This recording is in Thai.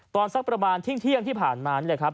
สักประมาณเที่ยงที่ผ่านมานี่แหละครับ